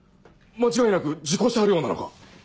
間違いなく事故車両なのか？